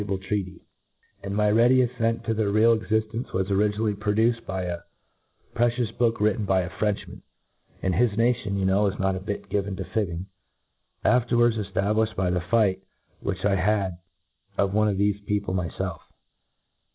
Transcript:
ble trcatifej' — ^and my ready affent to their real cxifl^nce was originally produced by a precious book, written by a Frenchman, (and his nation, yoit know, is not a bit given to fibbing), and af terwards* eftablifhcd by the fight which I had of one of thcfe people myfelf.